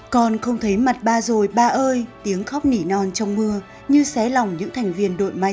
con không thấy mặt ba rồi ba ơi tiếng khóc nỉ non trong mưa như xé lỏng những thành viên đội mai